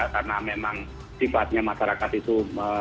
karena memang sifatnya masyarakat itu